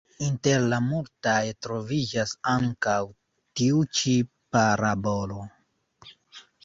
Inter la multaj troviĝas ankaŭ tiu ĉi parabolo.